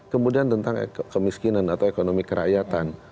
kemudian tentang kemiskinan atau ekonomi kerakyatan